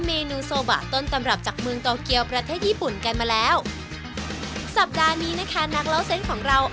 จิตย่าจิตย่าจิตย่า